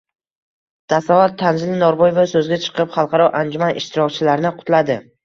Dastavval Tanzila Norboyeva soʻzga chiqib, xalqaro anjuman ishtirokchilarini qutladi.